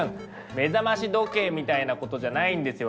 目覚まし時計みたいなことじゃないんですよ